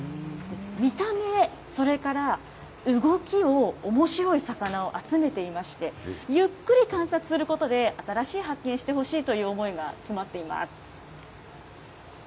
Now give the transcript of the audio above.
見た目、それから動きをおもしろい魚を集めていまして、ゆっくり観察することで、新しい発見してほしいという思いが詰まっています。